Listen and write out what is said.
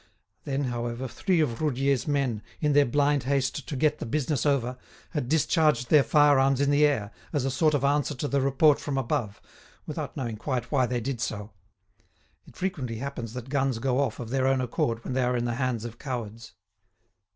Then, however, three of Roudier's men, in their blind haste to get the business over, had discharged their firearms in the air, as a sort of answer to the report from above, without knowing quite why they did so. It frequently happens that guns go off of their own accord when they are in the hands of cowards.